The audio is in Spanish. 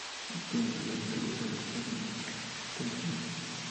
Tiene lois tallos erectos, ramificados distalmente.